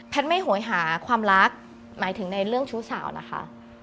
ไม่โหยหาความรักหมายถึงในเรื่องชู้สาวนะคะ